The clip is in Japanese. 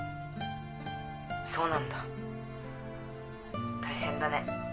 ☎そうなんだ大変だね。